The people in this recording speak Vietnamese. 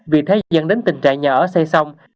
vì thế dẫn đến tình trạng nhà ở xây xong